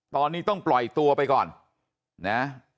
ตอนนี้ต้องปล่อยตัวไปก่อนนะ